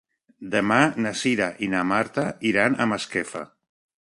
Demà na Cira i na Marta iran a Masquefa.